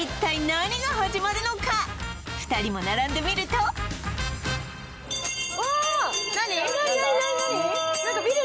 ２人も並んでみると何何何？